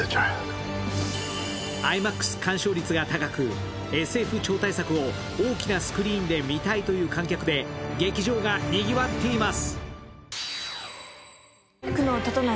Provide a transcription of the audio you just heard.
ＩＭＡＸ鑑賞率が高くＳＦ超大作を大きなスクリーンで見たいという観客で劇場がにぎわっています。